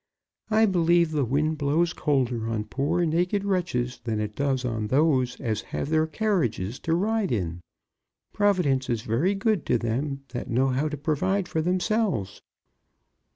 I believe the wind blows colder on poor naked wretches than it does on those as have their carriages to ride in. Providence is very good to them that know how to provide for themselves."